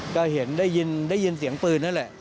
ก็เห็นได้ยินเสียงปืนนั่นแหละ